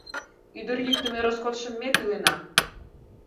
Ӱдыр йӱктымӧ роскотшым ме тӱлена.